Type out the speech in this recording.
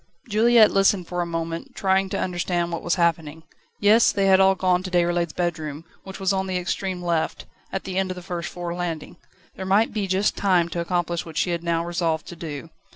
Juliette listened for a moment, trying to understand what was happening. Yes; they had all gone to Déroulède's bedroom, which was on the extreme left, at the end of the first floor landing. There might be just time to accomplish what she had now resolved to do.